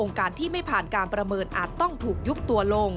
ซึ่งกลางปีนี้ผลการประเมินการทำงานขององค์การมหาชนปี๒ประสิทธิภาพสูงสุด